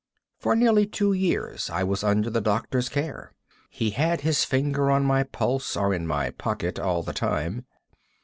For nearly two years I was under the doctor's care. He had his finger on my pulse or in my pocket all the time.